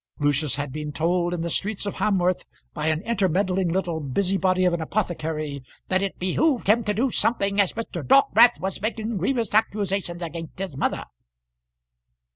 Lucius had been told in the streets of Hamworth by an intermeddling little busybody of an apothecary that it behoved him to do something, as Mr. Dockwrath was making grievous accusations against his mother.